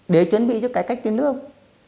để chuẩn bị cho cải cách tiền lương